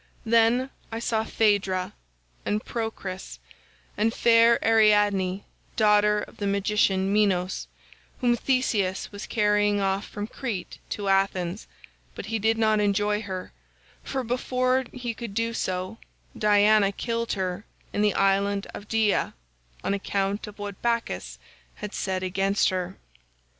"Then I saw Phaedra, and Procris, and fair Ariadne daughter of the magician Minos, whom Theseus was carrying off from Crete to Athens, but he did not enjoy her, for before he could do so Diana killed her in the island of Dia on account of what Bacchus had said against her.